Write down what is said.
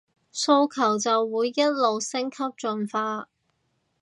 訴求就會一路升級進化